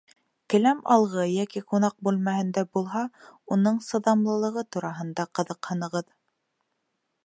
Келәм алғы йәки ҡунаҡ бүлмәһенә булһа, уның сыҙамлылығы тураһында ҡыҙыҡһынығыҙ.